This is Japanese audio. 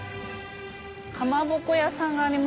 かまぼこ屋さんがありました。